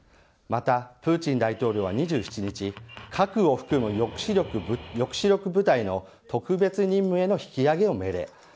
また、プーチン大統領は２７日核を含む抑止力部隊の特別任務への引き上げを命令。